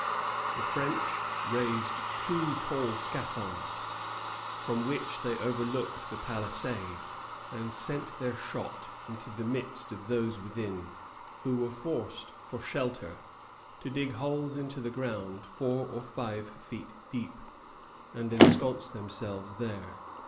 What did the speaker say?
The French raised two tall scaffolds, from which they overlooked the palisade, and sent their shot into the midst of those within, who were forced, for shelter, to dig holes in the ground four or five feet deep, and ensconce themselves there.